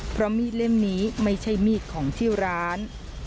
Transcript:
เพราะมีดเล่มนี้ไม่ใช่มีดของที่ร้าน